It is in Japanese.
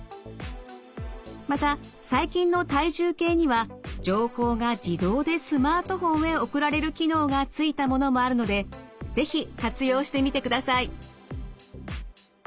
また最近の体重計には情報が自動でスマートフォンへ送られる機能がついたものもあるので是非活用してみてください。